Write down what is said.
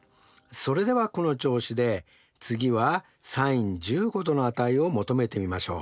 それではこの調子で次はｓｉｎ１５°の値を求めてみましょう。